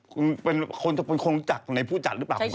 คุณเป็นคนรู้จักในผู้จัดหรือเปล่า